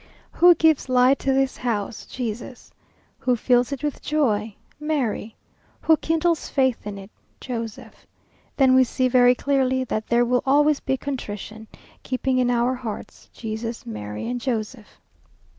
"Who gives light to this house? Jesús. Who fills it with joy? Mary. Who kindles faith in it? Joséph. Then we see very clearly That there will always be contrition, Keeping in our hearts, Jesús, Mary, and Joséph."